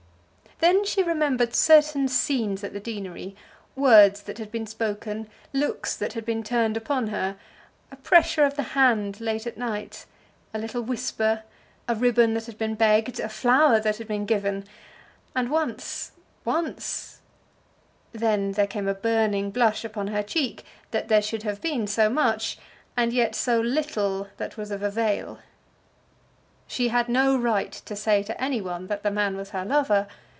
Then she remembered certain scenes at the deanery, words that had been spoken, looks that had been turned upon her, a pressure of the hand late at night, a little whisper, a ribbon that had been begged, a flower that had been given; and once, once ; then there came a burning blush upon her cheek that there should have been so much, and yet so little that was of avail. She had no right to say to any one that the man was her lover.